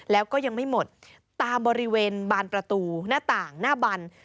แล้วก็ยังไม่หมดตามบริเวณบานประตูหน้าต่างหน้าบัน